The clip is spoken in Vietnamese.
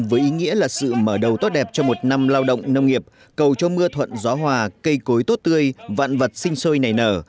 với ý nghĩa là sự mở đầu tốt đẹp cho một năm lao động nông nghiệp cầu cho mưa thuận gió hòa cây cối tốt tươi vạn vật sinh sôi nảy nở